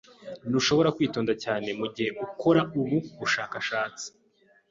Ntushobora kwitonda cyane mugihe ukora ubu bushakashatsi.